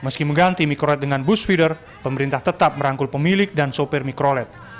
sebagai bus feeder pemerintah tetap merangkul pemilik dan sopir mikroled